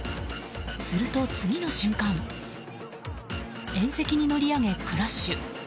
すると、次の瞬間縁石に乗り上げクラッシュ。